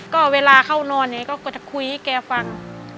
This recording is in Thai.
ก็เวลาเข้านอนอย่างนี้ก็จะคุยให้แกฟัง